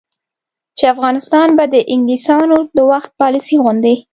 چې افغانستان به د انګلیسانو د وخت پالیسي غوندې،